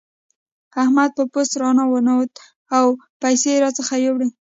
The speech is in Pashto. احمد په پوست راننوت او پيسې راڅخه يوړې.